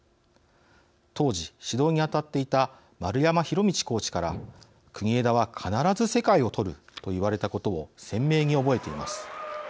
当時、指導に当たっていた丸山弘道コーチから国枝は必ず世界を取ると言われたことを鮮明に覚えています。